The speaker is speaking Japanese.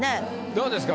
どうですか？